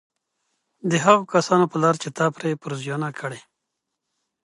د هغو كسانو په لار چي تا پرې پېرزوينه كړې